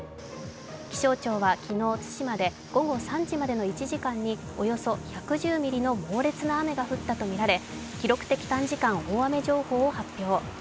気象庁は昨日、対馬で午後３時までの１時間におよそ１１０ミリの猛烈な雨が降ったとみられ記録的短時間大雨情報を発表。